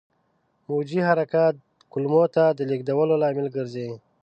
موجي حرکات کولمو ته د لېږدولو لامل ګرځي.